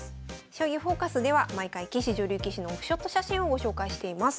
「将棋フォーカス」では毎回棋士・女流棋士のオフショット写真をご紹介しています。